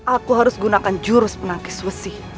aku harus gunakan jurus penangkis besi